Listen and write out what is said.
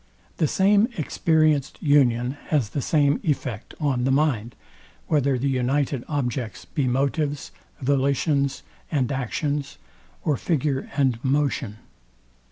The same experienced union has the same effect on the mind, whether the united objects be motives, volitions and actions; or figure and motion.